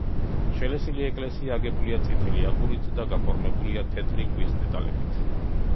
შელესილი ეკლესია აგებულია წითელი აგურით და გაფორმებულია თეთრი ქვის დეტალებით.